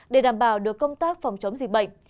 để đảm bảo được công tác phòng chống dịch bệnh